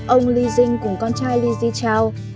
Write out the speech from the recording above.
ông lý dinh cùng con trai lý di chào